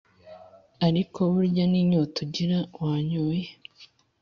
ariko burya n'inyota ugira uwanyoye.